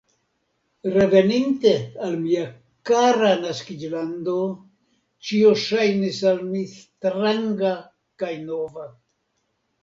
Reveninte al mia kara naskiĝlando, ĉio ŝajnis al mi stranga kaj nova.